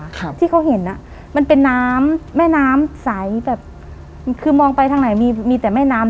ครับที่เขาเห็นอ่ะมันเป็นน้ำแม่น้ำใสแบบคือมองไปทางไหนมีมีแต่แม่น้ำ